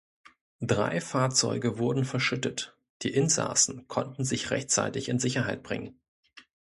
Drei Fahrzeuge wurden verschüttet, die Insassen konnten sich rechtzeitig in Sicherheit bringen.